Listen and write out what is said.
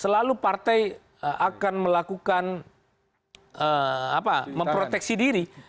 selalu partai akan melakukan memproteksi diri